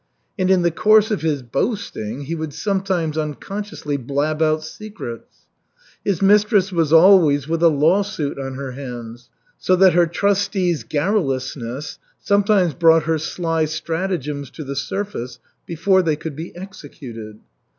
And in the course of his boasting he would sometimes unconsciously blab out secrets. His mistress was always with a lawsuit on her hands, so that her trusty's garrulousness sometimes brought her sly stratagems to the surface before they could be executed.